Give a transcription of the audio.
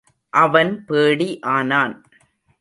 அவன் பேடி ஆனான்.